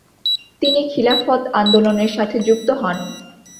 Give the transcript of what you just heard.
তিনি খিলাফত আন্দোলনের সাথে যুক্ত হন।